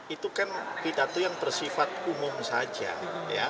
itu kan pidato yang bersifat umum saja ya